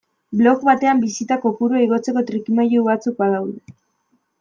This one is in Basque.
Blog batean bisita kopurua igotzeko trikimailu batzuk badaude.